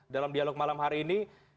dalam dialog malam hari ini